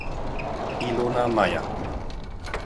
Ilona Maier.